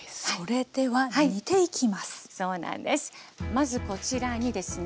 まずこちらにですね